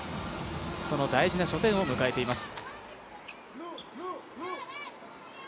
その大事な初戦を迎えています。